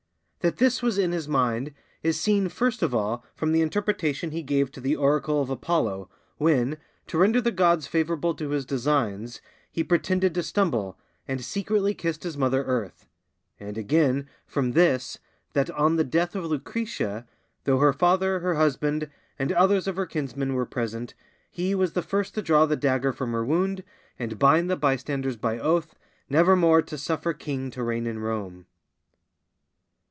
That this was in his mind is seen first of all from the interpretation he gave to the oracle of Apollo, when, to render the gods favourable to his designs, he pretended to stumble, and secretly kissed his mother earth; and, again, from this, that on the death of Lucretia, though her father, her husband, and others of her kinsmen were present, he was the first to draw the dagger from her wound, and bind the bystanders by oath never more to suffer king to reign in Rome.